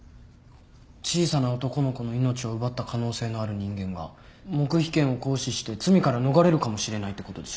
小さな男の子の命を奪った可能性のある人間が黙秘権を行使して罪から逃れるかもしれないってことでしょ？